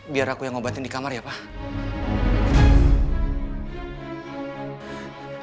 biar aku yang ngobatin di kamar ya pak